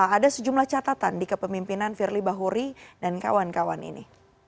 ada sejumlah catatan di kepemimpinan firly bahuri dan kawan kawan ini